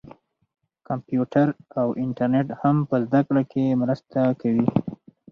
کمپیوټر او انټرنیټ هم په زده کړه کې مرسته کوي.